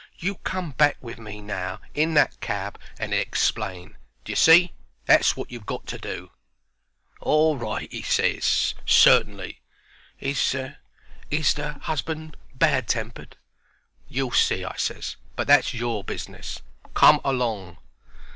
"You come back with me now in that cab and explain. D'ye see? That's wot you've got to do." "All right," he ses; "certainly. Is is the husband bad tempered?" "You'll see," I ses; "but that's your business. Come along."